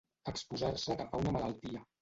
Exposar-se a agafar una malaltia.